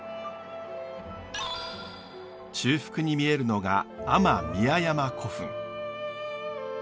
中腹に見えるのが安満宮山古墳。